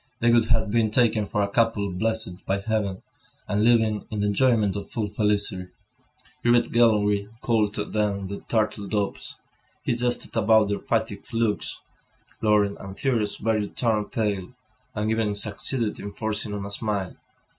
They would have been taken for a couple blessed by heaven, and living in the enjoyment of full felicity. Grivet gallantly called them the "turtle doves." When he jested about their fatigued looks, Laurent and Thérèse barely turned pale, and even succeeded in forcing on a smile.